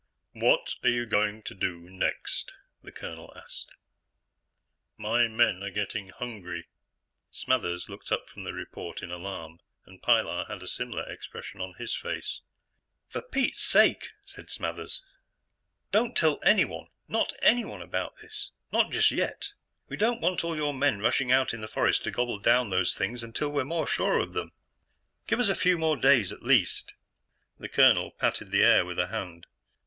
"What are you going to do next?" the colonel asked. "My men are getting hungry." Smathers looked up from the report in alarm, and Pilar had a similar expression on his face. "For Pete's sake," said Smathers, "don't tell anyone not anyone about this, just yet. We don't want all your men rushing out in the forest to gobble down those things until we are more sure of them. Give us a few more days at least." The colonel patted the air with a hand.